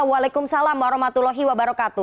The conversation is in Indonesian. waalaikumsalam warahmatullahi wabarakatuh